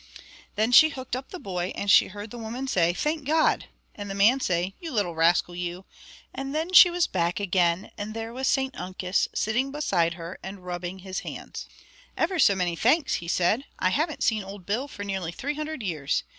Then she hooked up the boy, and she heard the woman say "Thank God!" and the man say "You little rascal, you!" and then she was back again, and there was St Uncus sitting beside her and rubbing his hands. "Ever so many thanks," he said. "I haven't seen old Bill for nearly three hundred years.